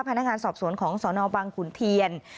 พนักงานสอบสวนของสนบังขุนเทียน